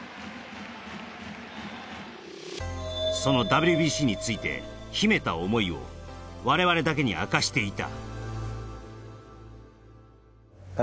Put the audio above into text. そのＷＢＣについて、秘めた思いを我々だけに明かしていた。